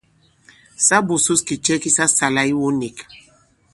Sa būsūs kì cɛ ki sa sālā iwu nīk.